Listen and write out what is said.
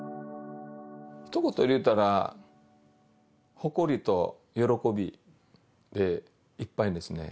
ひと言で言ったら、誇りと喜びでいっぱいですね。